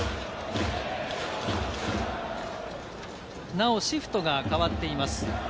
なお、シフトが代わっています。